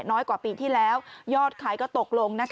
น้อยกว่าปีที่แล้วยอดขายก็ตกลง